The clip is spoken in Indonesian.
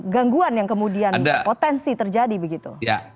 gangguan yang kemudian potensi terjadi begitu